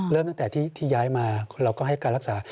เริ่มตั้งแต่ที่ย้ายมาเราก็ให้การรักษา